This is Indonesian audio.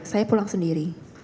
saya pulang sendiri